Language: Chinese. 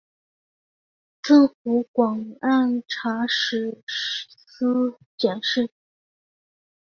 赠湖广按察使司佥事。